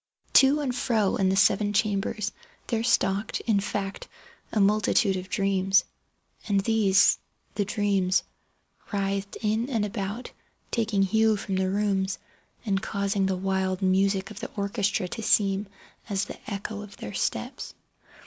To and fro in the seven chambers there stalked, in fact, a multitude of dreams. And these—the dreams—writhed in and about taking hue from the rooms, and causing the wild music of the orchestra to seem as the echo of their steps.